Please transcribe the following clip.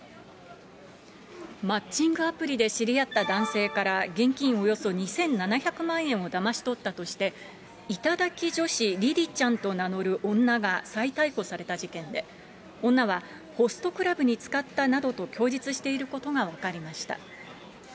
マッチングアプリで知り合った男性から現金およそ２７００万円をだまし取ったとして、頂き女子りりちゃんと名乗る女が再逮捕された事件で、女は、ホストクラブに使ったなどと供述していることが分かりました。